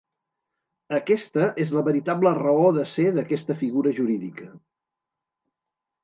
Aquesta és la veritable raó de ser d'aquesta figura jurídica.